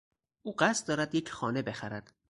او قصد دارد یک خانه بخرد.